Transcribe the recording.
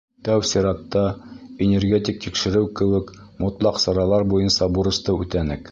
— Тәү сиратта энергетик тикшереү кеүек мотлаҡ саралар буйынса бурысты үтәнек.